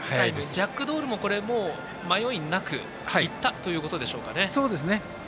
ジャックドールも迷いなくいったということでしょうかね。